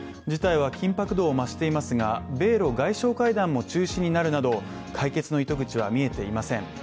事態は緊迫度を増していますが米ロ外相会談も中止になるなど解決の糸口は見えていません。